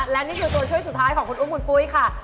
และนี่คือตัวช่วยสุดท้ายของคุณอุ้มคุณปุ้ยค่ะ